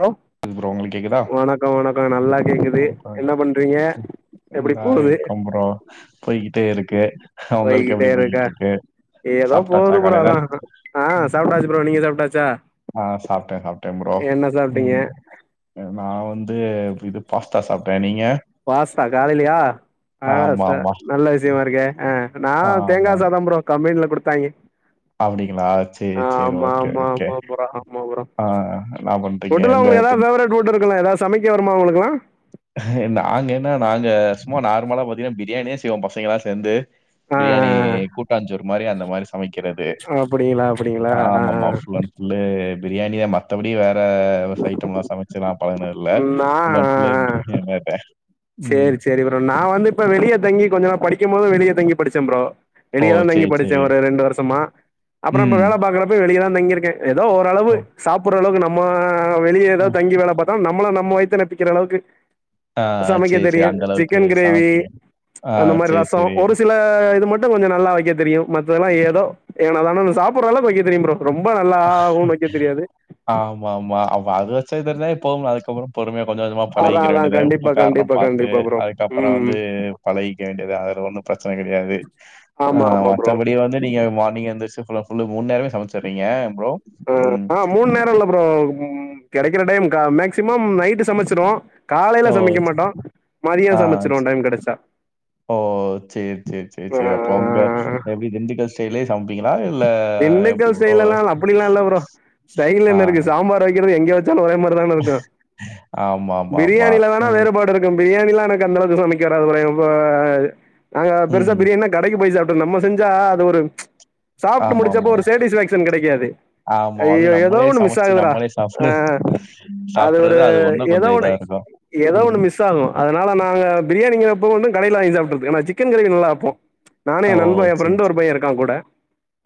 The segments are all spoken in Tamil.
ஹலோ ஸ் ப்ரோ உங்களுக்கு கேக்குதா வணக்கோ வணக்கோ நல்லா கேக்குது ஓகே, என்ன பண்றீங்க சரி. எப்டி இந்தா போது இருக்கோம் ப்ரோ போய்கிட்டே இருக்கு அ உங்களுக்கு எப்டி போய்கிட்ருக்கு எதோ போகுது ப்ரோ அதா ஆ சாப்ட்டாச்சு ப்ரோ நீங்க சாப்ட்டாச்சா ஆ சாப்ட்ட சாப்ட்ட ப்ரோ என்ன சாப்ட்டீங்க ம் நா வந்து இது பாஸ்தா சாப்ட்ட நீங்க பாஸ்தா காலையிலயா அ ஆ ஆமா ராசா ஆமா நல்ல விஷயமா இருக்கே அ நா தேங்கா ஆமா சாதம் ப்ரோ கம்பேனில குடுத்தாங்கே அப்டிங்களா சேரி சேரி ஆமா ஓகே ஆமா ஓகே ஆமா ப்ரோ ஆமா ப்ரோ ஆ என்னா பண்றீங்க செட்டிநாட்ல எங்க உங்ளுக் எதாவ்து திண்டு- ஃபேவரட் பூட்டு இருக்கலா எதாவ்து சமைக்க வருமா உங்குளுக்கு நாங்க என்ன நாங்க சும்மா நார்மலா பாத்தீங்கன்னா பிரியாணியே செய்வோம் பசங்கயெல்லா சேந்து ஆ பிரியாணி கூட்டாஞ்சோறு மாரி அந்த மாரி செ சமைக்கிறது ஆ அப்டிங்களா அப்டிங்களா ஆ ஆமாம்மா ஆ ஃபுல் அன் ஃபுல்லு பிரியாணிய மத்தபடி வேற ரைஸ் ஐட்டம்ல்லா சமச்சிலா நா பழகின இல்ல நா ஃபுல் ஆ அண்ட் ஃபு புல்லு ஆ செய்ய மாட்ட சேரி சேரி ப்ரோ நா வந்து இப்ப வெளியே தங்கி கொஞ்ச நாள் படிக்கும் போதும் வெளியே தங்கி படிச்ச ப்ரோ ஓ! வெளிய தா தங்கி சரி, படிச்ச சரி. ப்ரோ ரெண்டு வருஷமா அப்புறம் இந்த ம். வேல பாக்கறப்போ வெளிய தா தங்கியிருக்க எதோ ஓரளவு ஓ! சாப்புட்ற அளவுக் நம்ம வெளியேதா அ. தங்கி வேல பாத் தம் நம்மள நம்ம வயித்த ரேப்பிக்கிற அளவுக்கு ஆ சமைக்க சரி, சரி. தெரியும் அந்த அளவுக்கு சிக்கன் கிரேவி சமைப்பீங்க. ஆ அந்த மாரி சரி, ரசம் சரி. ஒரு சில ல இது மட்டும் கொஞ்சம் நல்லா வெக்க தெரியும் மத்ததெல்லா ஏதோ ஏனோ தானோ சாப்பிட்ற அளவுக்கு வெக்க தெரியும் ப்ரோ ரொம்ப நல்லாவும் வெக்க தெரியாது ஆமா ஆமா அவ அது வச்சது தெரிஞ்சா இப்போவும் அதுக்கப்புறம் பொறுமையா கொஞ்ச கொஞ்சமா அதா பழகிக்கிற அதா வேண்டிதா உப்பு கண்டிப்பா காரம்லா கண்டிப்பா பாத்து கண்டிப்பா ப்ரோ அதுக்கப்பறம் ம் வந்து பழகிக்க வேண்டிதுதா அதுல ஒன்னும் பிரச்சன கெடையாது ஆ ஆமா ஆமா ப்ரோ மத்த படி வந்து நீங்க மார்னிங் வந்து ஃபுல் அண்ட் ஃபுல்லு மூண் வேளயும் சமைச்சிறீங்க ஆ ப்ரோ ம். ஆ மூண் நேர்ல ப்ரோ கெடைக்கிற டைம் மேக்சிமம் நைட்டு சமச்சிருவோம் காலையில ஓ! சமைக்க மாட்டோ மதியம் ஆ. சமச்சிருவோம் டைம் கெடச்சா ஓ செரி செரி செரி ஆ செரி அப்ப அவங்க எப்டி பிரிஞ்சிக்காது நீங்கலே சமைப்பீங்களா இல்ல எப்டி திண்டுக்கல் ப்ரோ ஸ்டைலல்லா அப்டிலா இல்ல ப்ரோ ஸ்டைல் ஆ என்ன இருக்கு சாம்பார் வைக்கிறது எங்க வெச் சாலு ஒரே மாதிரி தான இருக்கு ஆமாமாமா. பிரியாணியில வேனா ம், வேறுபாடு இருக் கு பிரியாணில்லா எனக்கு அந்த அளவுக்கு சமைக்க வராது ப்ரோ நாங்க பெருசா ம். பிரியாணி கடைக்கு போய் சாப் நம்ம செஞ்சா அது ஒரு சாப்ட்டு முடிச்ச அப்ப ஆமாமா. ஒரு சேட்டிஸ்பேக்ஷன் கெடைக்காது ஆமா. ஐய்யயோ அதுவும் ஏதோ நம்மளே ஒண்ணு மிஸ் சமைச்சு, ஆகுதுடா நம்மளே ஆ சாப்பிடு அது ஒரு சாப்பிடுறது இன்னும் ஏதோ கொஞ்சம் இதா ஒண்ணு இருக்கும். ஏதோ ம். ஒண்ணு மிஸ் மிஸ்சாகு அதனால நாங்க பிரியாணிங்கிறப்போ வந்து கடையில்ல வாங்கி சாப்பிட்டுக்வோ சிக்கன் கிரேவி நல்லா வெப்போ நானு ஓ! ஏ நண்பன் ஏ சரி, ஃப்ரெண்டு ஒரு பைய இருக்கா கூட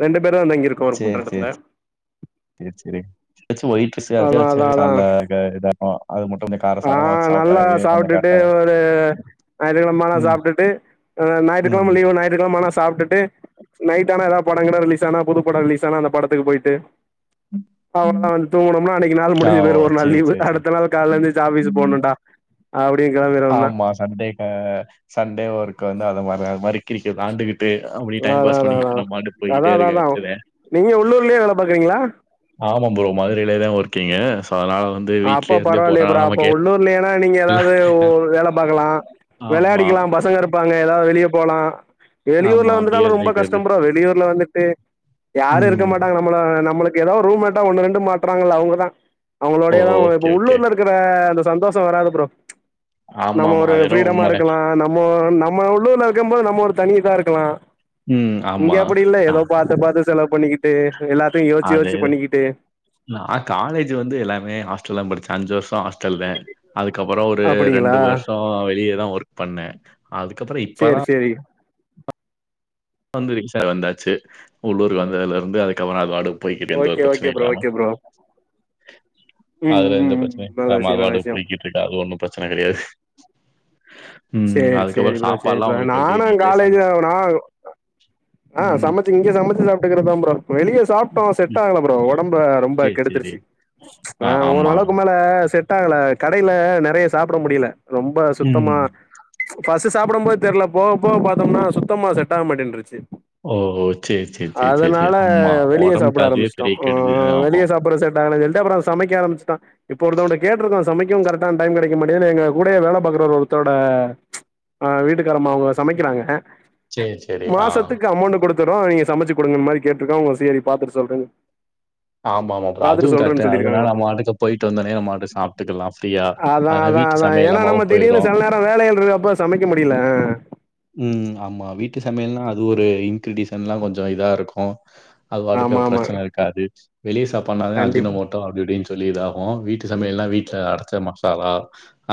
ரெண்டு பேருந்தா தங்கி இருக்கோ ஒர்க் பண்ற எடத்துல சேரி சேரி அதா எதாசு அதா [unintelligible] அதா [unintelligible] அது மட்டு கொஞ்சோ கார ஆ சாரமா வெச்சு சாப்ட்டா நல்லா சாப்ட்டுட்டு கரெக்டா இருக்கு ஒரு ஞாயித்துக்கெழம ஆனா சாப்டிட்டு ஆ ஞாயித்துக்கெழம ம். லீவு ஞாயித்துக்கெழம ஆனா சாப்ட்டு நைட்டு ஆனா எதா படகிடோ ரிலீஸ் ஆனா புது படோ ரிலீஸ் ஆனா அந்த படத்துக்கு போயிட்டு அவ்ளோதா வந்து தூங்குணோம்னா அன்னிக்கி நாள் ஆ, முடிஞ்சு ஓ! போயிரு ஒரு நாள் சரி, லீவு சரி, அடுத்த நாள் கால்ல எத்திருச்சு ஆபீஸ்ஸூ சரி. போணுன்ட்டா அப்டியே கெளம்பிரவேந்தா ஆமா. சண்டே கா சண்டே ஒர்க்க வந்து அத மா அது மாரி கிரிக்கிட் வோண்டுகிட்டு அப்டியே டைம் அதா பாஸ் அதா அதா பண்ணிகிட்டு நம்ம பாட்டுக்கு அதா போயிட்டே அதா இருக்க அதா வேண்டியதா நீங்க உள்ளீர்லயே வேல பாக்குறீங்களா ஆமா ப்ரோ மதுரையிலயேதா ஒர்க்கீங்கு சோ அதனால வந்து அப்போ வீட்லயே இருந்து பரவாயில்லியே போறனால ப்ரோ அப்ப நமக்கு உள்ளூர் குல்லேன்னா நீங்க எதாது வேல பாக்கலா ஆமா, வெளாடிக்கலா பசங்க இருப்பாங்க எதாது வெளிய போலா ஆமா. வெளியூர்ல அப்டியே வந்துட்டாலு ரொம்ப இதாயிட்டே கஷ்ட இருக்கு. ப்ரோ வெளியூர்ல வந்துட்டு யாரு இருக்க ம். மாட்டாங்க நம் நம்மள நம்மளுக்கு ஏதாவது ரூம்மேட்டா ஒன்னு ரெண்டு மாட்றாங்கள்ள அவங்க தா ஓ! அவங்களோடயேதா இப்ப ஓகே, உள்ளூர் ஓகே. இருக் இருக்குற அந்த சந்தோஷோ வராது ப்ரோ நம்ம ஆமாமா. ஒரு அது என்னவோ ப்ரீடமா உண்மதான். இருக்கலா நம்மோ நம் நம்ம உள்ளூர்ல இருக்கும் போது நம்ம ஒரு தனி இதா இருக்கலா ம். இங்க ஆமா. அப்டி இல்ல அ ஏதோ பாத்து பாத்து செலவு பண்ணிக்கிட்டு எல்லாத்தையு யோச்சு யோச்சு பண்ணிக்கிட்டு நா காலேஜ் வந்து எல்லாமே ஹாஸ்டல்லா படிச்சே அஞ்சு வருஷ ஹாஸ்டல்த அதுக்கப்றோ ஒரு அப்படிங்களா ரெண்டு வருஷோ வெளியே தா ஒர்க் பண்ண அதுக்கப்றோ சேரி இப்பத சேரி வந்து [unintelligible] வந்தாச்சு உள்ளூருக்கு வந்ததுல இருந்து அதுக்கப்றோ அதுவாட்டுக்கு போய்கிட்டு எந்த ஒரு ஓகே ஓகே பிரச்சனையு ப்ரோ இல்லாம ஓகே ப்ரோ ம் அதுல எந்த ம் ம் பிரச்சனையு நல்ல ஆமா விஷயம் நல்ல அதுபாட்டுக்கு விஷயம் போய்கிட்டு இருக்கு அது ஒன்னு பிரச்சன கெடையாது ம் சேரி அதுக்கப்றோ சாப்பாடு எல்லா உங்களுக்கு எப்டி நீங்களே சமச்சு போனா ஆ சமச்சு இங்க சமச்சு சாப்பிட்டுக்கற தா ப்ரோ வெளியே சாப்ட்டோ செட் ம். ஆகல ப்ரோ ஒடம்ப ரொம்ப சரி, சரி. கெடுத்துருச்சு ஆ ஓரளவுக்கு மே மேல செட் ஆகல கடையில நெறைய சாப்பிட முடியல ரொம்ப ம். சுத்தமா ஃபஸ்ட்டு சாப்பிடும் போது தெர்ல போக போக பாத்தோம்னா சுத்தமா செட்ட ஆக மாட்டேன்ருச்சு ஓ! சரி, சரி, சரி, சரி. அதனால ஆமா. வெளியே உடம்புக்கு சாப்பிட அதுவே ஆரம்பிச்சிட்டோ பெரிய ஆ கெடுதல் வெளியே ஆகும். சாப்பிட செட் ஆகலன்னு சொல்லிட்டு அப்றோ சமைக்க ஆரம்பிச்சிட்டோ இப்போ ஒருத்தகிட்ட கேட்டு இருக்கோ சமைக்கவு கரெக்ட்டான டைம் கெடைக்க மாட்டாது எங்க கூடயே வேல பாக்கற ஒருத்தோட ஆ வீட்டுக்காரம்மா அவங்க சமக்கிறாங்க சரி, சரி. ஆ. மாசத்துக்கு அமௌண்ட் குடுத் த்துறோ நீங்க சமச்சு குடுங்க மாரி கேட்டுருக்கோ சேரி அவங்க பாத்துட்டு சொல்றே ஆமா ஆமா அப்புறோ அதுவு கரட்தா அதனால சொல்லிருக்காங்க நம்மாட்டுக்கு போய்ட்டு வந்தொனே நம்மாட்டுக் சாப்ட்டுக்கலா ஃப்ரீயா அதா அதனால அதா வீட்டு அதா சமையல் ஏனா நம்ம நம்மவும் திடீர்னு போயிரும். சில் நேர வேலைல்ட்ருகப்ப சமைக்க முடில அ அ ம் ஆமா வீட்டு சமையல்னா அது ஒரு இன்க்ரிடிசன்ல்லா கொஞ்சோ இதா இருக்கு அது வாட்டுக்கு ஆமா ஆமா ப்ரெச்சன இருக்காது வெளிய சாப்பாட்னாவே கண்டிப்பா அஜுனமோ ட்டா அப்டி இப்டின் சொல்லி இதாகு வீட்டு சமையல்லா வீட்ல அரச்ச மசாலா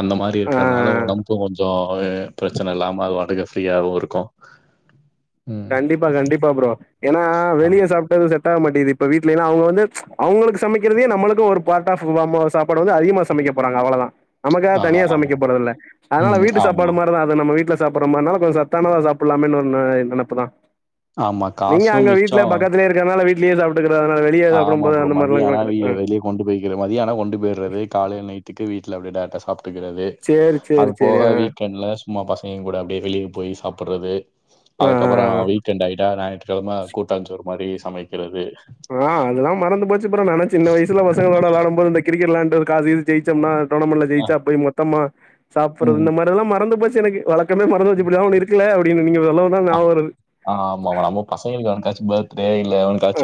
அந்த மாரி இருக்கிற்த்னால ஆ ஒடம்புக்கு கொஞ்சோ எ ப்ரெச்சன இல்லாம அதுவாட்டுக்கு ஃப்ரீயாவு இருக்கு ம் கண்டிப்பா கண்டிப்பா ப்ரோ ஏனா ஆ, வெளியே சாப்ட்டாலு செ டடாவ மாட்டிகிது இப்ப வீட்லேனா அவுங்க வந்து அவுங்களுக்கு சமைக்கிறதே நம்மளுக்கு ஒரு பாட் ஆஃப் [unintelligible] சாப் பாடு வந்து அதிகமா சமைக்க போறாங்க அவ்வளதா நமக்காக ஆ தனியா சமைக்க ஆமா. போறதில்ல அதனால ம். வீட்டு ஆமா. சாப்பாடு மா ட்டுதா அது நம்ம வீட்ல சாப்பிற மார்னால கொஞ்ச சத்தானதா சாப்பில்லாமேன் ஒரு ந நெனப்புதா ஆமா. நீங்க காசும் அங்க வீட்ல மிச்சம். பக்கத்துலே இருக்கனால வீட்லியே சாப்ட்டுக்கிற அதனால ஃப்ரீயா சாப்பிடும் ஆமா போது ப்ரோ. அந்த மார்லா மதியம் ஆனா வெ [unintelligible] அ வெளிய கொண்டு போய்க்கிற மதியானோ கொண்டு போய்றது காலை நைட்டுக்கு வீட்ல அப்டிய டேர்ட்டா சாப்ட்டுக்கிறது சேரி அது சேரி சேரி போக ஆ வீக்கெண்ட்ல சும்மா பசங்க கூட அப்டியே வெளியே போய் சாப்பிட்றது ஆ அதுக்கப்புறோ ஆ வீக்கெண்ட் ஆயிட்டா ஞாயிற்றுக்கிழம கூட்டாஞ்சோறு மாரி சமைக்கிறது ஆ அதெல்லா மறந்து போச்சு ஃப்ரோ நாலா சின்ன வயசுல பசங்களோட விளாடும் போது இந்த கிரிக்கெட் விளான்டு ஒரு காசு எது ஜெயிச்சம்னா டோர்னமென்ட்ல அஹ் ஜெயிச்சா போய் மொத்தமா சாப்பிற்றத் உம் இந்த மாரில்லாம மறந்து போச்சு எனக்கு வழக் கமே மறந்து போச்சு இப்படிலா ஒன்னு இருக்குல அப்டூனு நீங்க சொல்லவோதா ஞாப வருது ஆ ஆமா ஆமா நம்ம பசங்களுக்கு எவனுக்காச்சு பேர்த்டே இல்ல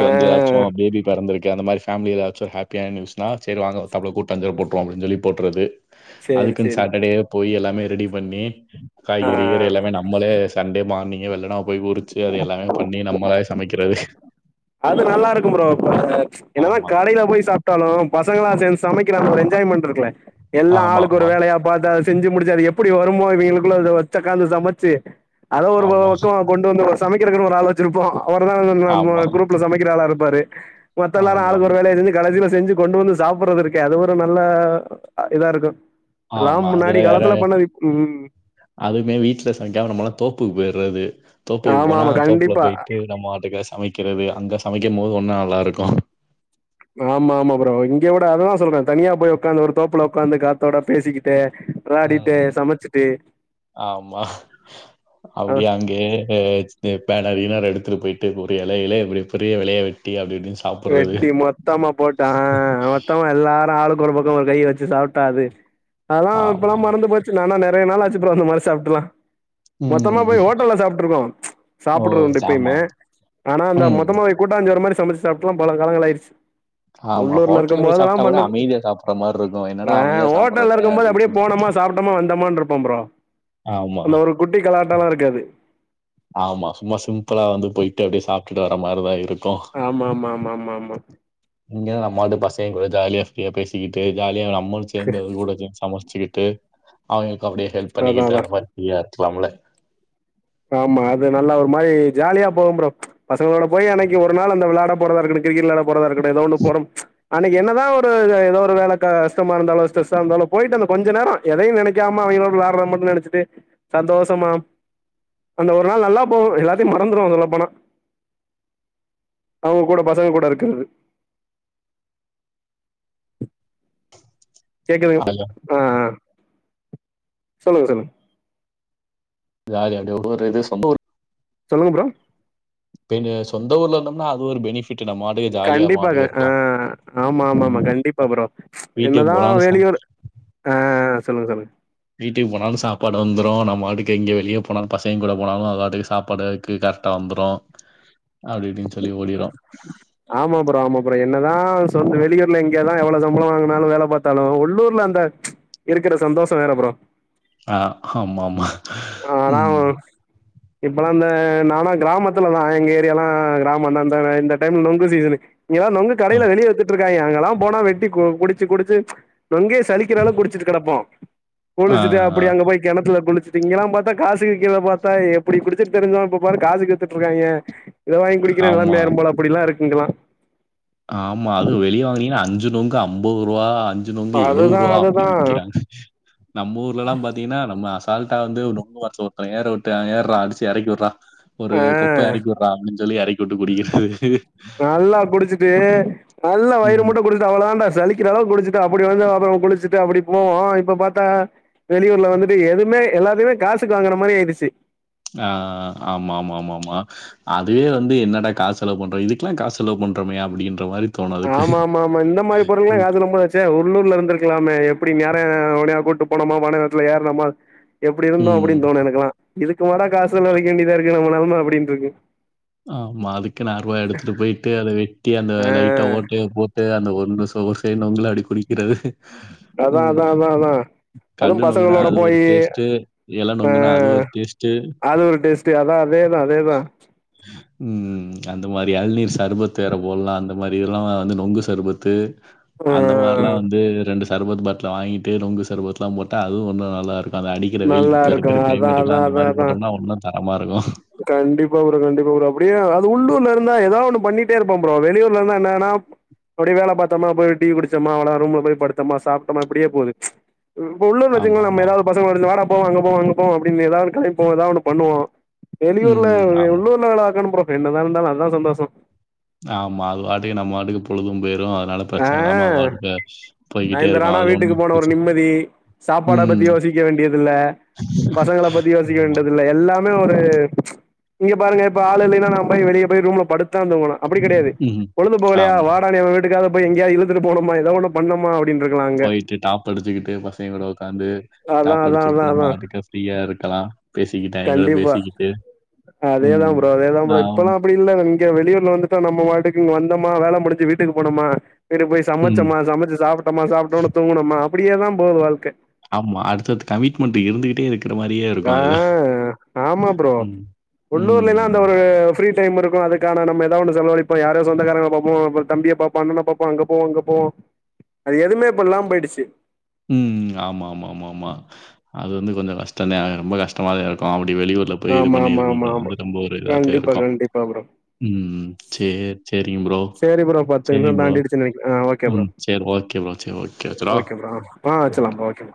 ஆ வந்து யார்ச்சு பேபி பொறந்திருக்கு அந்த மாரி ஃபேமிலில எதாச்சு ஒர் ஹேப்பியான ந்யூஸ்னா செரி வாங்க ஒர்த்தாப்புல கூட்டாஞ்சோறு போட்ருவோ அப்படின் சொல்லி போட்டரது சேரி அதுக்குன் சேரி சேட்டடேவே போயி எல்லாமே ரெடி பண்ணி காய்கறி கிறி ஆ எல்லாமே நம்மளே சண்டே மார்னிங்கே வெள்ளனாவ் போய் உறிச்சு அது எல்லாமே பண்ணி நம்மளாவே சமைக்கிறது அது நல்லா இருக்கும் ப்ரோ அ என்னதா ஆமா கடையில போய் சாப் டாலு பசங்களா சேந் சமைக்கிற அந்த ஒரு என்ஜாய்மெண்ட் இருக்குல எல்லா ஆமா ஆளுக்கு ஒரு ஆமா வேலையா பாத்தா செஞ்சு முடிச்சு அது எப்படி வருமோ இவிங்கிளுக்குள்ள அத வெச்சக்காந்து சமச்சு அத ஒரு ஆமா பக்கோ வெக்கவு கொண்டு வந்து ஒ சமைக்கிறக்கின்னு ஒரு ஆள் வெச்சிருப்போ அவர் தா நம்ம ஆமா குரூப்ல சமைக்கிற ஆளா இருப்பாரு மத்தெல்லாரு ஆமா ஆளுக்கொரு வேலய செஞ்சு கடைசில செஞ்சு கொண்டு வந்து சாப்பிட்றது இருக்கே அது ஒரு நல்ல அ இதா இருக்கு எல்லாம் ஆமா அதுல முன்னாடி வேற காலத்துல பண்ணது இப் ம் அதுவுமே வீட்ல சமைக்காம நம்மெல்லா தோப்புக்கு போய்றது தோப்புக்கு ஆமா போனா ஆமா தோப்புல கண்டிப்பா போய்ட்டு நம்மாட்டுக்கு சமைக்கிறது அங்க சமைக்கும் போது உன்னு நல்லாருக்கு ஆமா ஆமா ப்ரோ இங்க விட அததா சொல்றே தனியா போய் உக்காந்து ஒரு தோப்புல உக்காந்து காத்தோட பேசிக்கிட்டே ஆ ஆமா அ அப்டியே அங் கியே வெச்சினு பேனரு கீனரு எடுத்துட்டு போயிட்டு ஒரு எலையில இப்படி பெரிய எலயா வெட்டி அப்டி இப்டினு வெட்டி மொத்தமா போட்டு ஆ மொத்தமா எல்லாரு ஆளுக்கொரு பக்கமா கைய வெச்சு சாப்ட்டா அது அதெல்லா இப்பெல்லா‌ ஆமா. மறந்து போச்சு நானா நெறைய நாள் ஆச்சு ப்ரோ அந்தமாரி சாப்ட்டுலா மொத்தமா ம். போய் ஹோட்டல்ல சாப்பிட்ருக்கோ ஓ! சாப்பிட்றதுண்டு ஆமா. இப்பயுமே ஆனா அந்த ம். மொத்தமாவே கூட்டாஞ்சோறு மாரி சமச்சு சாப்ட்லா பல காலங்களாயிட்ச்சு ஆமா. உள்ளூர்ல ஹோட்டல்ல இருக்கும் போய் சாப்ட்டா கூட போதெல்லாம்பண்ணது அமைதியா சாப்புட்ற மாரி இருக்கும். என்னடா ஆ அமைதியா ஹோட்டல்ல சாப்புட்றோமே இருக்கும் போது அப்டின்னு அப்டியே சொல்லி. போனமா சாப் டமா வந்தமான்ட்ருப்போம் ப்ரோ ஆமா, அந்த ஒரு குட்டி கலாட்டாலா இருக்காது ஆமா சும்மா சிம்பிளா வந்து போய்ட்டு அப்டியே சாப்டுட்டு வர மாரிதா இருக் ஆமா ஆமா ஆமா ஆமா ஆமா இங்கதா நம்மாட்டு பசங்கூட ஜாலியா ஃப்ரீயா பேசிக்கிட்டு ஜாலியா நம்மளு சேந்து கூட சேந் சம ச்சுக்கிட்டு அவுங்களுக்கு அப்டியே ஹெல்ப் அதா பண்ணிக்கிட்டு அதா அந்த மாரி ஃப்ரீயா இருக்கலாம்ல ஆமா அது நல்லா ஒரு மாரி ஜாலியா போகும் ஃப்ரோ பசங்களோட போய் அன்னைக்கு ஒரு நாள் அந்த விளாட போறதா இருக்கட்டு கிரிக்கெட் விளாட போறதா இருக்கட்டு ஏதோ ஒன்னு போறம் அன்னைக்கு என்ன தா ஒரு க ஏதோ ஒரு வேல கஷ்டமா இருந்தாலு ஸ்ட்ரெஸ்ஸா இருந்தாலு போய்டு அந்த கொஞ்ச நேரோ எதையு நெனைக்காம அவைங்களோட விளாட்றத மட்டு நெனச்சிட்டு சந்தோஷமா அந்த ஒரு நாள் நல்லா போகு எல்லாத்தையு மறந்துடுவோ சொல்ல போனா அவங்க கூட பசங்க கூட இருக்கறது கேக்குது அதுல ஆ சொல்லுங்க சொல்லுங்க ஜாலி அப்டி ஒரு இது சொந்த ஊரு சொல்லுங்க ஃப்ரோ இங்க சொந்த ஊர்ல இருந்தோம்னா அது ஒரு பெனிஃபிட்டு நம்பாட்டுக்கு இரு கண்டிப்பாக ஆ ஆமாமாமா ம். கண்டிப்பா ஃப்ரோ வீட்டுக்கு என்னதா போனாலும் சா வெளியூரு ஆ சொல்லுங்க சொல்லுங்க வீட்டுக்கு போனாலு சாப்பாடு வந்துரு நம்பாட்டுக்கு எங்க வெளிய போனாலு பசேங்க கூட போனாலு அதுபாட்டுக்கு சாப்பாடு வைக்கு கா வந்துரு அப்டி இப்டினு சொல்லி ஓடிரூ ஆமா ஃப்ரோ‌ ஆமா ஃப்ரோ என்னதா சொந் வெளியூர்ல இங்கதா எவ்ளோ சம்பளோ வாங்குனாலு வேல பாத் தாலு உள்ளூர்ல அந்த இருக்கிற சந்தோஷோ வேற ஃப்ரோ ஆ ஆமாமா ஆனா ம் இப்பல்லா அந்த நானா கிராமத்துல தா எங்க ஏரியாலா கிராமந்தா இந்தவ இந்த டைம் நொங்கு சீசனு இங்கதா நொங்கு அ. கடையில வெளிய வித்திட்டுருக்காங்க அங்கெல்லா போனா வெட்டி கோ குடிச்சு குடிச்சு நொங்கே சலிக்கிற அளவு குடிச்சிட்டு கெடப்போ ஆ. குளிச்சிட்டு அப்டி அங்க போய் கெணத்துல குளிச் திங்களா பாத்தா காசுக்கு கீழ பாத்தா எப்டி குடிச்சிட்டு திரிஞ்சோ இப்ப பாரு காசுக்கு வித்திட்டுருக்காங்க இத வாங்கி குடிக்கிற நெலம ஆமா. ஆயிரு போல அப்டிலாம் இருக்கு இங்கலா ஆமா அது வெளிய வாங்குனீங்கன்னா அஞ்சு நொங்கு அம்பொதுருவா அஞ் சு நொங்கு எழுவோ அதுதா ரூவா அப்டி அதுதா விக்கிறாங்க நம்ம ஊர்லலா பாத்தீங்கன்னா நம்ம அசால்டா வந்து நுங்கு வருஷோ ஒருத்தே ஏற வுட்டு ஏர்றா அடிச்சி எறக்கி விட்றா ஒரு ஆ கொப்ப எறக்கி வுர்றா அப்டின் சொல்லி எறக்கி வுட்டு குடிக்கறது நல்லா குடிச்சுட்டு நல்லா வயிறு ம். முட்ட குடிச் அவ்வளதான்டா சலிக்கிற அளவு குடிச்சிட்டு அப்டி வந்து அப்பறோ குளிச்சுட்டு அப்டி போவோ இப்ப பாத்தா வெளியூர்ல வந்துட்டு எதுமே எல்லாதையுமே காசுக்கு வாங்குற மாறி இதுச்சி நா ஆமாமாமாமா அதுவே வந்து என்னடா காசு செலவு பண்றோ இதுக்கெல்லா காசு செலவு பண்றோமே அப்டின்ற மாரி தோணும் அதுக்கு. ஆமாமாமா இந்த மாரி பொருளெல்லா ம். யாசு ரொம்ப தே உள்ளூர்ல இருந்திருக்கலாமே எப்டி நேர ஒனியா கூப்டு போனமா பனைமரத்துல ஏறுனமா எப்டி இருந்தோ ம். அப்டின் தோணு எனக்குலா இதுக்குமாடா காசு செலவழிக்க வேண்டியதா இருக்கு நம்ம நெலம அப்டின்ருக்கு ஆமா அதுக் கு நா ருவா எடுத்துட்டு போயிட்டு அத வெட்டி அந்த ஆ லைட்ட ஓட்டைய போட்டு அந்த ஒன்னு செவுரு தேனுங்கள அடி குடிக்கிறது அதா ம். அதா அதா அதா கல்லு அதுவு நொங்குனா பசங்களோட அது ஒரு போயி டேஸ்ட்டு. இல அ நொங்குனா அது ஒரு டேஸ்ட்டு. அது ஒரு டெஸ் டி அதா அதேதா அதேதா ம் அந்த மாரி எளநீர் சர்பத்து வேற போல்லா அந்த மாரி எல்லா வந்து நொங்கு சர்பத்து அந்த ஆ மாரிலா வந்து ரெண்டு சர்பத் பாட்ல வாங்கிட்டு நுங்கு சர்பத்துலா போட்டா அதுவு ஒன்னு நல்லா இருக் பவ அடிக்கிற வெயிலுக்கு நல்லா இப்ப இருக்கு இருக்குற அதா அதா கிளைமேட்டுக்குலா அந்த அதா மாரி அதா போட்டம்னா ஒன்னூ தரமா இருக்கூ கண்டிப்பா ப்ரோ கண்டிப்பா ப்ரோ அப்டியே அது உள்ளூர்ல இருந்தா ஏதா ஒண்ணு பண்ணிட்டே இருப்பா ப்ரோம் வெளியூர்ல இருந்தா என்னன்னா அப்டிய வேல பாத்தம்மா போய் டீ குடிச்சோம்மா அவ்ளோதா ரூம்ல போய் படுத்தோமா சாப்ட்டம்மா அப்டியே போது இப்ப உள்ள வச்சீங்கனா நம்ம ஆமாமா. எதாவுது பசங்க வந்து வடா போவு அங்க போவு அங்க போவு அப்டினு எதாவுது கலாய்ப்போ எதாவுது ஒண்ணு பண்ணுவோ வெளியூர்ல ம். ஆமா. உள்ளூர்லா வேல பாக்குணு ஃப்ரோ என்னதா இருந்தாலு அதுதா சந்தோஷோ ஆமா அது வாட்டுக்கு நம்ம வாட்டுக்கு பொழுது போயிடு அதனால ஆ பிரச்சன இல்லாம அது வாட்டுக்கு போய்கிட்டே சாய்ந்தரோ இருக்கு ஆனா அதுல ஒண்ணு வீட்டுக்கு போன ஒரு பிரச்சன நிம்மதி சாப்பாட பத்தி யோசிக்க வேண்டியதில்ல பசங்கள பத்தி யோசிக்க ஆமா. வேண்டியதில்ல எல்லா மே ஒரு இங்க பாருங்க இப்ப ஆள் இல்லைன்னா நா போய் வெளியே போய் ரூம்ல படுத் த்தாந்து போனு அப்டி கெடையாது ம். பொழுது போகலையா ஆமா. வாடா ஏவே வீட்டுக்கா போய் எங்கயாவுது இழுத்துட்டு போனுமா எதோ ஒண்ண பண்ணமா போயிட்டு டாப் அடிச்சுக்கிட்டு பசங்க கூட உக்காந்து அதா டாப் அதா அதா அடிச்சுட்டு நம்ம அதா மாட்டுக்கு ஃப்ரீயா இருக்கலா பேசிக்கிட்டாய்ங் எ கூட கண்டிப்பா பேசிக்கிட்டு அதேதா ம் ப்ரோ அதேதா நா ப்ரோ ஓன் இப்பெல்லா அப்டி இல்ல இங்க வெளியூர்ல வந்துட்டு நம்ம வாட்டுக்கு இங்க வந்தோமா வேல முடிஞ்சு வீட்டுக்கு போனமா வீட்டு போய் ம். சமைச்சமா சமைச்சு சாப்ட்டோம்மா சாப்பட்டோன்னே தூங்கனோம்மா அப்டியேதா போது வாழ்க்க ஆமா அடுத்தடுத்து கமிட்மெண்ட் இருந்துகிட்டே இருக்கிற மாரியே ஆ இருக்கும் அதுல. ஆமா ப்ரோ ம். உள்ளூர்ல எல்லா அந்த ம். ஒரு ஃப்ரீ டைம் இருக்கு அதுக்கான நம்ம எதாவுது ஒன்னு சமாலிப்போ யாரோ சொந்தாரங்க பாப்போ தம்பிய பாப்போ அண்ணண பாப்போ அங்க போவு இங்க போவு அது எதுவுமேப்பெல்லாம போயிடுச்சு ம் ஆமா ஆமா ஆமா ஆமா அது வந்து கொஞ்சோ கஷ்டோதா ஆ ரொம்ப கஷ்டமாதா இருக்கு அப்டி வெளியூர்ல போய் இது ஆமா பண்ணி ஆமா இருக்குனு ஆமா இப்ப ஆமா வந்து ரொம்ப ஒரு அதே கண்டிப்பா இருக்கு கண்டிப்பா ப்ரோ ம் சேரி சேரிங் ப்ரோ சேரி ப்ரோ பத்து சேரிங் ப்ரோ [unintelligible] ஓகே ம் ப்ரோ சேரி ஓகே ஃப்ரோ சேரி ஓகே வச்சிரவா ஓகே ப்ரோ ஆ வச்சில்லா ஃப்ரோ ஓகே